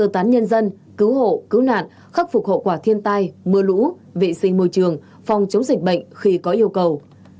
phục hậu quả thiên tai mưa lũ vệ sinh môi trường phòng chống dịch bệnh khi có yêu cầu